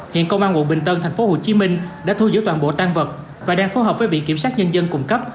hiện công an quận bình tân thành phố hồ chí minh đã thu giữ toàn bộ tang vật và đang phù hợp với vị kiểm sát nhân dân cung cấp